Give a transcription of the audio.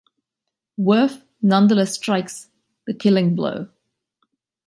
Worf nonetheless strikes the killing blow.